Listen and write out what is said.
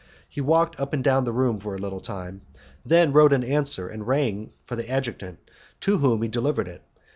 He walked up and down the room for a little time, then wrote an answer and rang for the adjutant, to whom he delivered it.